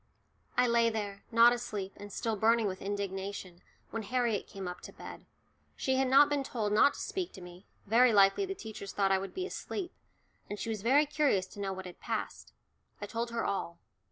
I lay there, not asleep, and still burning with indignation, when Harriet came up to bed. She had not been told not to speak to me, very likely the teachers thought I would be asleep, and she was very curious to know what had passed. I told her all.